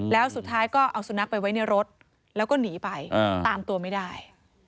แล้วสุดท้ายก็เอาสุนัขไปไว้ในรถแล้วก็หนีไปตามตัวไม่ได้